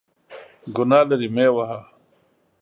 ګناه لري ، مه یې وهه !